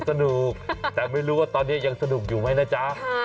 สนุกแต่ไม่รู้ว่าตอนนี้ยังสนุกอยู่ไหมนะจ๊ะ